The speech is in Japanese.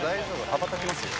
羽ばたきますよ。